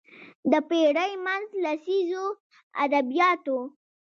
د پېړۍ منځ لسیزو ادبیات وو